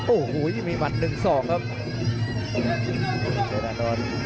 โอ้โหมีบัตร๑๒ครับ